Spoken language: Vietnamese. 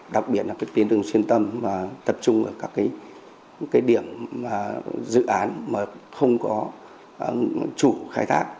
đặc biệt là các tuyến đường xuyên tâm mà tập trung ở các điểm dự án mà không có chủ khai thác